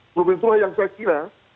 sepuluh menit itu yang saya kira